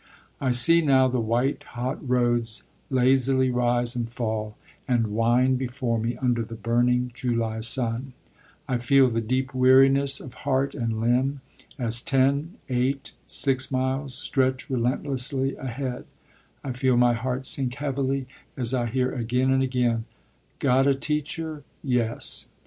I see now the white, hot roads lazily rise and fall and wind before me under the burning July sun; I feel the deep weariness of heart and limb as ten, eight, six miles stretch relentlessly ahead; I feel my heart sink heavily as I hear again and again, "Got a teacher? Yes."